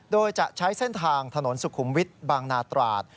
โดยจะใช้เส้นทางถนนสุขุมวิทย์บางนาตราด